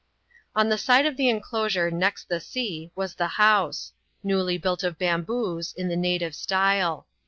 On the side of the inclosure next the sea was the house ; newly built of bamboos, in the native style.